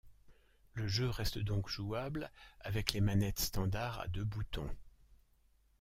Le jeu reste donc jouable avec les manettes standards à deux boutons.